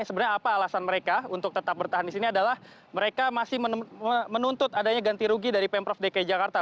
sebenarnya apa alasan mereka untuk tetap bertahan di sini adalah mereka masih menuntut adanya ganti rugi dari pemprov dki jakarta